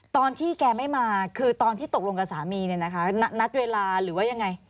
ตอนที่แกไม่มาคือตอนที่ตกลงกับสามีเนี่ยนะคะนัดเวลาหรือว่ายังไง